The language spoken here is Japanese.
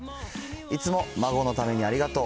いつも孫のためにありがとう。